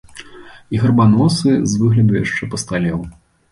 І гарбаносы з выгляду яшчэ пасталеў.